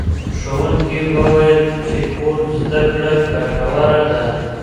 ښوونکی وویل چي کور زده کړه ګټوره ده.